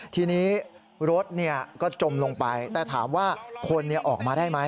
ทีนี้รถก็จมลงไปแต่ถามว่าคนออกมาได้ไหม